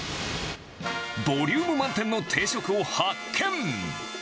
ボリューム満点の定食を発見。